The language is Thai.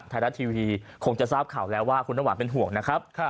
ไทยรัฐทีวีคงจะทราบข่าวแล้วว่าคุณน้ำหวานเป็นห่วงนะครับ